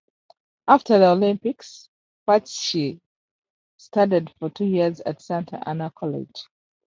After the Olympics Furtsch studied for two years at Santa Ana College.